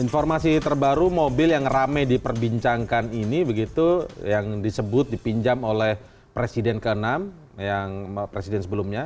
informasi terbaru mobil yang rame diperbincangkan ini begitu yang disebut dipinjam oleh presiden ke enam yang presiden sebelumnya